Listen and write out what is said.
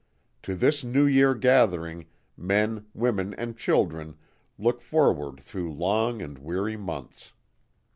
To this New Year gathering men, women, and children look forward through long and weary months.